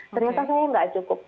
ternyata saya tidak cukup